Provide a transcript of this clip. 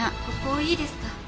ここいいですか？